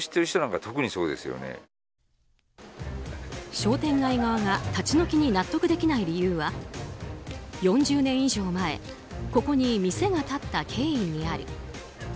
商店街側が立ち退きに納得できない理由は４０年以上前ここに店が建った経緯にある。